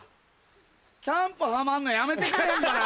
キャンプハマんのやめてくれへんかな？